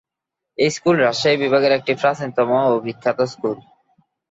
এই স্কুল রাজশাহী বিভাগের একটি প্রাচীন ও বিখ্যাত স্কুল।